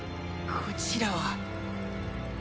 こちらを。